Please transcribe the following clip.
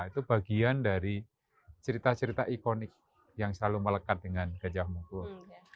itu bagian dari cerita cerita ikonik yang selalu melekat dengan gajah mungkur